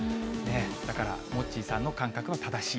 だからモッチーさんの感覚は正しい。